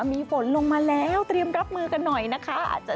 เที่ยวผมมาแล้วเตรียมกันหน่อยนะฮะ